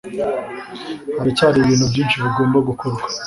haracyari ibintu byinshi bigomba gukorwa